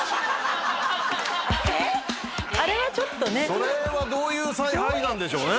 それはどういうさい配なんでしょうね